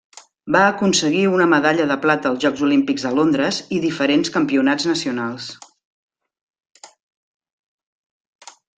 Va aconseguir una medalla de plata als Jocs Olímpics de Londres i diferents campionats nacionals.